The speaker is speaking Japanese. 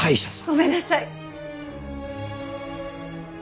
ごめんなさい！